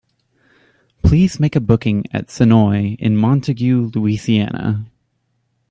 Please make a booking at Sonoy in Montague, Louisiana.